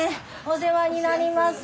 お世話になります。